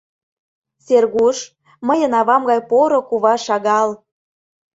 Сергуш, мыйын авам гай поро кува шагал.